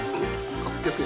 ６００円。